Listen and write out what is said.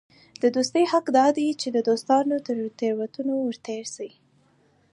د دوستي حق دا دئ، چي د دوستانو تر تېروتنو ور تېر سې.